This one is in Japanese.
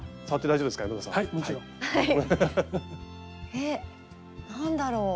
えっ何だろう？